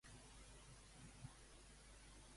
Gaudeixo especialment de la música de Metallica.